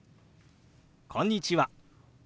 「こんにちは」。